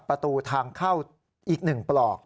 ประตูทางเข้าอีก๑ปลอก